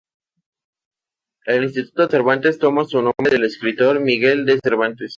El Instituto Cervantes toma su nombre del escritor Miguel de Cervantes.